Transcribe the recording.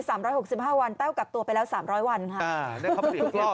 สามร้อยหกสิบห้าวันเต้ากลับตัวไปแล้วสามร้อยวันค่ะในเครื่องที่ก่อน